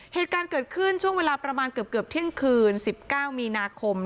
เหตุการณ์เกิดขึ้นช่วงเวลาประมาณเกือบเที่ยงคืน๑๙มีนาคม